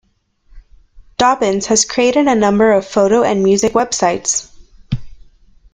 Dobbins has created a number of photo and music web sites.